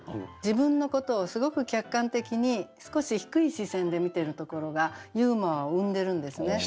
自分のことをすごく客観的に少し低い視線で見てるところがユーモアを生んでるんですね。